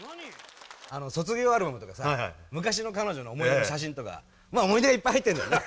あの卒業アルバムとかさ昔の彼女の思い出の写真とかまあ思い出がいっぱい入ってんだよね。